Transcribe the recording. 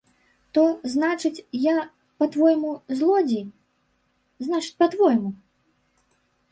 То, значыць, я, па-твойму, злодзей, значыць, па-твойму?